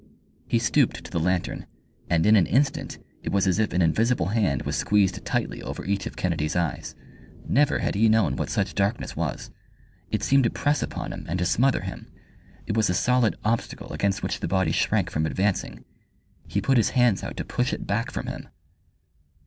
He stooped to the lantern, and in an instant it was as if an invisible hand was squeezed tightly over each of Kennedy's eyes. Never had he known what such darkness was. It seemed to press upon him and to smother him. It was a solid obstacle against which the body shrank from advancing. He put his hands out to push it back from him.